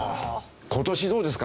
今年どうですか？